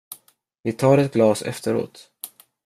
Vi tar ett glas efteråt.